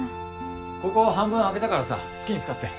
ここ半分空けたからさ好きに使って。